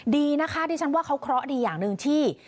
ดีนะคะดิฉันว่าเขาเคราะห์ดีอย่างหนึ่งที่